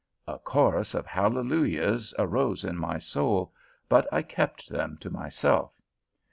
A chorus of hallelujahs arose in my soul, but I kept them to myself.